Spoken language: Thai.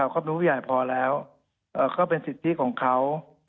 ความรู้ผู้ใหญ่พอแล้วก็เป็นสิทธิของเขา